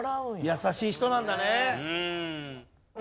優しい人なんだね。